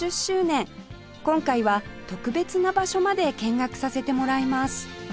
今回は特別な場所まで見学させてもらいます